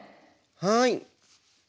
はい。